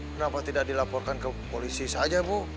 kenapa tidak dilaporkan ke polisi saja bu